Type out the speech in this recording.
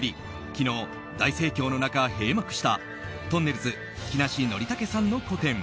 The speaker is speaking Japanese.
昨日、大盛況の中、閉幕したとんねるず木梨憲武さんの個展